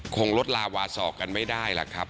คงลดลาวาสอกกันไม่ได้ล่ะครับ